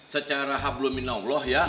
secara hablumin allah ya